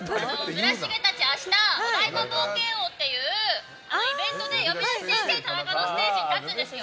村重たち、明日お台場冒険王っていうイベントで「呼び出し先生タナカ」としてステージに立つんです。